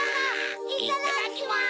いただきます！